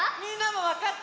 わかった？